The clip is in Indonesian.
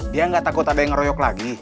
dia nggak takut ada yang ngeroyok lagi